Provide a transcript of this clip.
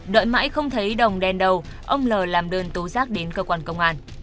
đợi mãi không thấy đồng đen đầu ông l làm đơn tố giác đến cơ quan công an